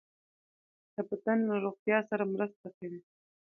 د بدن له روغتیا سره مرسته کوي.